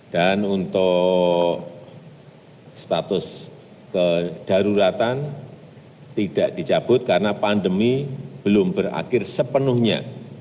dan untuk status kedaruratan tidak dicabut karena pandemi belum berakhir sepenuhnya